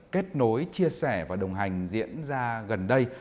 kết nối chia sẻ và đồng hành diễn ra gần đây